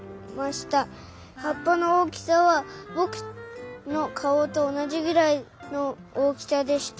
はっぱのおおきさはぼくのかおとおなじぐらいのおおきさでした。